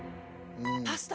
パスタ？